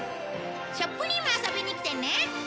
ショップにも遊びに来てね！